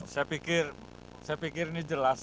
saya pikir saya pikir ini jelas